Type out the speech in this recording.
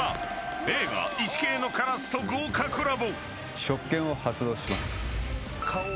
映画「イチケイのカラス」と豪華コラボ。